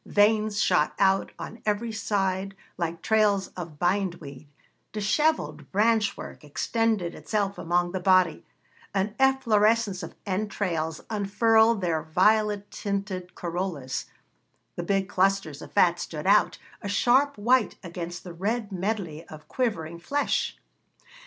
Veins shot out on every side like trails of bind weed; dishevelled branch work extended itself along the body, an efflorescence of entrails unfurled their violet tinted corollas, and big clusters of fat stood out, a sharp white, against the red medley of quivering flesh.'